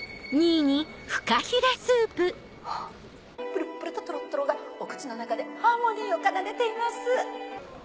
プルップルとトロットロがお口の中でハーモニーを奏でています